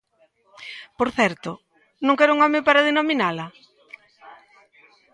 Por certo, non quere un home para denominala.